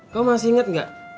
kamu masih inget gak